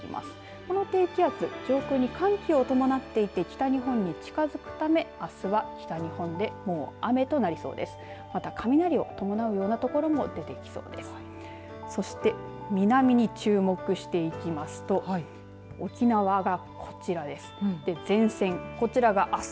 この低気圧上空に寒気を伴っていて北日本に近づくため、あすは北日本でも雨となりそうです。